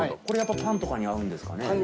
これやっぱパンとかに合うんですかね？